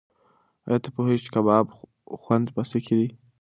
ایا ته پوهېږې چې د کباب خوند په څه کې دی؟